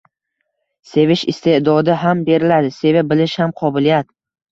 sevish iste’dodi ham beriladi. Seva bilish ham qobiliyat.